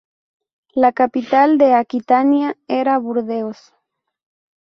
La capital de Aquitania era Burdeos.